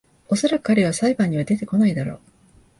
おそらく彼は裁判には出てこないだろ